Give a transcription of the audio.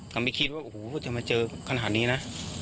ก็ไม่คิดว่าโอ้โหจะมาเจอขนาดนี้นะ